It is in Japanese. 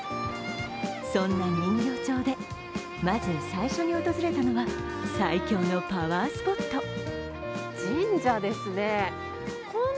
そんな人形町でまず、最初に訪れたのは最強のパワースポット。